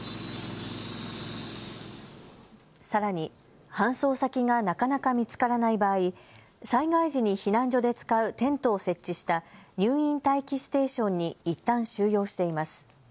さらに搬送先がなかなか見つからない場合、災害時に避難所で使うテントを設置した入院待機ステーションにいったん収容しています。